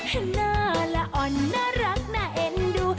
เห็นหน้าละอ่อนน่ารักน่าเอ็นดู